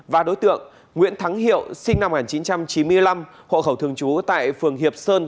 và đối tượng nguyễn thắng hiệu sinh năm một nghìn chín trăm chín mươi năm hộ khẩu thường trú tại phường hiệp sơn